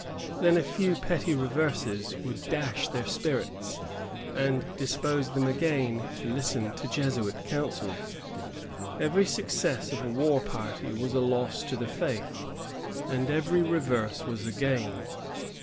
Then a few petty reverses would dash their spirits, and dispose them again to listen to Jesuit counsels. Eveiy success of a war party was a loss to the faith, and every reverse was a gain.